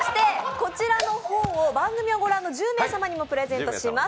こちらの本を番組を御覧の１０名の方にもプレゼントします。